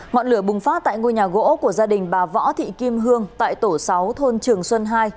ngọn lửa bùng phát tại ngôi nhà gỗ của gia đình bà võ thị kim hương tại tổ sáu thôn trường xuân hai